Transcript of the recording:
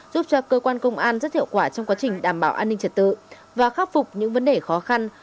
giúp cho cơ quan công an rất hiệu quả trong quá trình đảm bảo an ninh trật tự và khắc phục những vấn đề khó khăn